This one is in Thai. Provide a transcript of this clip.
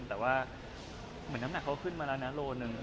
แต่ว่าเหมือนน้ำหนักเค้าขึ้นมานะโลนึง